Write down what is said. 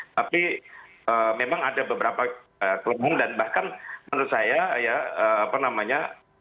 tapi memang ada beberapa kelompok dan bahkan menurut saya ya apa namanya